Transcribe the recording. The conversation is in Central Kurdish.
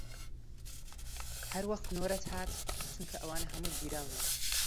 هەر وەخت نۆرەت هات، چونکە ئەوانە هەموو گیراونەوە